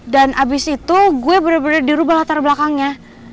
dan abis itu gue bener bener dirubah latar belakangnya